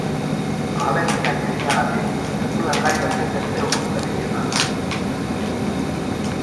Ahaleginak eginagatik ez nuen nahi bezainbeste urruntzerik izan.